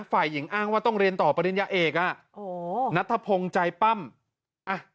ฝ่ายหญิงอ้างว่าต้องเรียนต่อปริญญาเอกอ่ะโอ้โหนัทธพงศ์ใจปั้มอ่ะ